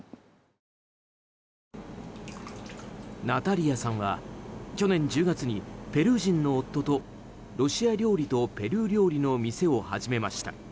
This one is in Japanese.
ナタリアさんは去年１０月にペルー人の夫とロシア料理とペルー料理の店を始めました。